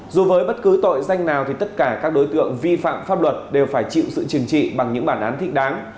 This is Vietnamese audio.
dù với bất cứ tội danh nào thì tất cả các đối tượng vi phạm pháp luật đều phải chịu sự trừng trị bằng những bản án thích đáng